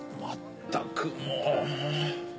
まったくもう。